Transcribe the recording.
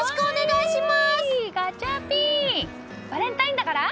お願いします。